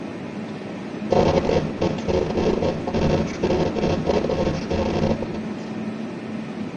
তাঁর এক পুত্র ও এক কন্যা, সৌরভ নেপাল এবং সুমন নেপাল।